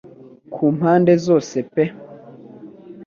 Ku mpande zose pe